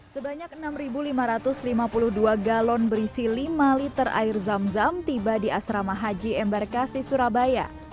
sebanyak enam lima ratus lima puluh dua galon berisi lima liter air zam zam tiba di asrama haji embarkasi surabaya